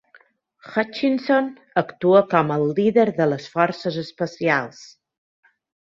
Hutchinson actua com el líder de les forces especials.